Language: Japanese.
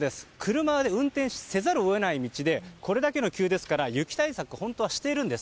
車を運転せざるを得ない道でこれだけ急ですから、雪対策は本当はしているんです。